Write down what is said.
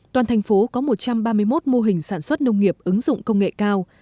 toàn thành phố có một trăm ba mươi một mô hình sản xuất nông nghiệp ứng dụng công nghệ cao